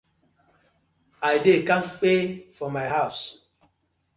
I dey kampe for my hawz.